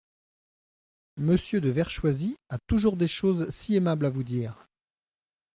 Monsieur de Vertchoisi a toujours des choses si aimables à vous dire !